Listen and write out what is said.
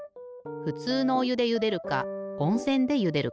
ふつうのおゆでゆでるかおんせんでゆでるか。